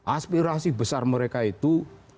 aspirasi besar mereka itu